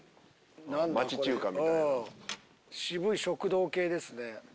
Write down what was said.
渋い食堂系ですね。